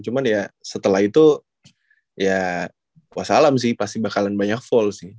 cuman ya setelah itu ya wassalam sih pasti bakalan banyak full sih